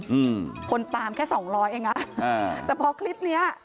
อืมคนตามแค่สองร้อยแต่พอคลิปเนี้ย